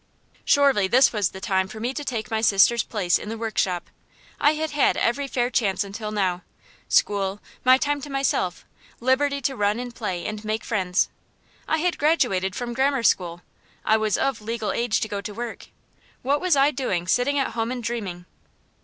Surely this was the time for me to take my sister's place in the workshop. I had had every fair chance until now: school, my time to myself, liberty to run and play and make friends. I had graduated from grammar school; I was of legal age to go to work. What was I doing, sitting at home and dreaming?